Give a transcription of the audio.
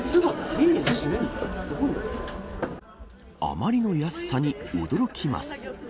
あまりの安さに驚きます。